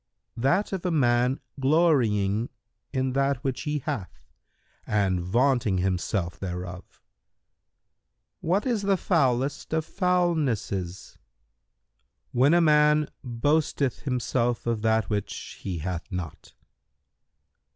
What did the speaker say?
"—"That of a man glorying in that which he hath and vaunting himself thereof." Q "What is the foulest of foulnesses?"—"When a man boasteth himself of that which he hath not."